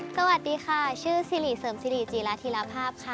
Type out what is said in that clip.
สวัสดีค่ะชื่อสิริเสริมสิริจีระธิรภาพค่ะ